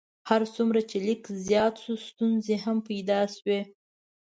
هر څومره چې لیک زیات شو ستونزې هم پیدا شوې.